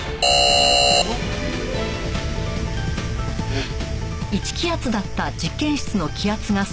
えっ！？